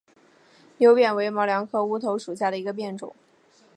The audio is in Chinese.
牛扁为毛茛科乌头属下的一个变种。